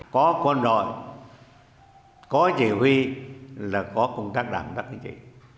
có quân đội có chỉ huy là có công tác đảng công tác chính trị